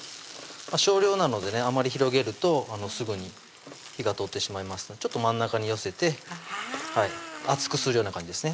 少量なのでねあまり広げるとすぐに火が通ってしまいますのでちょっと真ん中に寄せて厚くするような感じですね